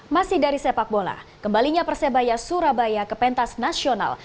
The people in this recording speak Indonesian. masih dari sepak bola kembalinya persebaya surabaya ke pentas nasional